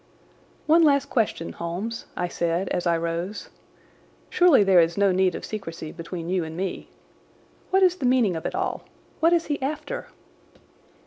"One last question, Holmes," I said as I rose. "Surely there is no need of secrecy between you and me. What is the meaning of it all? What is he after?"